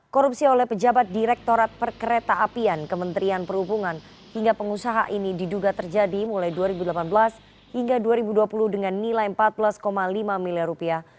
korupsi oleh pejabat direktorat perkereta apian kementerian perhubungan hingga pengusaha ini diduga terjadi mulai dua ribu delapan belas hingga dua ribu dua puluh dengan nilai empat belas lima miliar rupiah